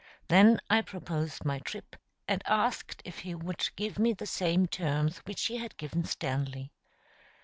Then I proposed my trip, and asked if he would give me the same terms which he had given Stanley.